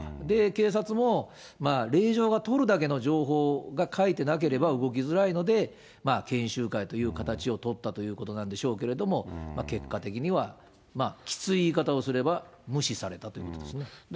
警察も、令状が取るだけの情報が書いてなければ動きづらいので、研修会という形を取ったということなんでしょうけれども、結果的には、まあ、きつい言い方をすれば無視されたということですね。